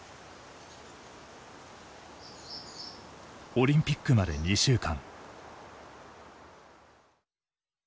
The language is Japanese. オリンピックまで２週間。